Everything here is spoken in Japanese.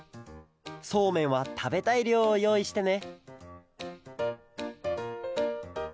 そうめんはたべたいりょうをよういしてね